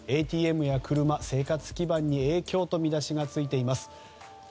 ＡＴＭや車、生活基盤に影響と見出しがついています。